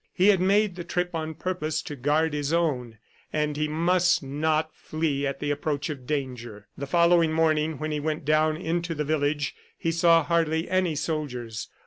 He had made the trip on purpose to guard his own, and he must not flee at the approach of danger. ... The following morning, when he went down into the village, he saw hardly any soldiers.